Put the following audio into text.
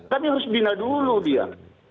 kami harus bina dulu dia